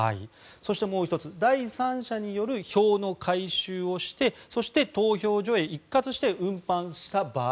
そしてもう１つ、第三者による票の回収をしてそして、投票所へ一括して運搬した場合。